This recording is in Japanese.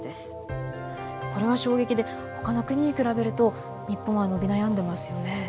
これは衝撃でほかの国に比べると日本は伸び悩んでますよね。